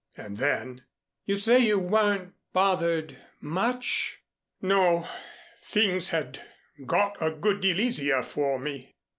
And then, "You say you weren't bothered much?" "No. Things had got a good deal easier for me.